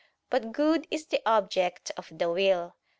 But good is the object of the will.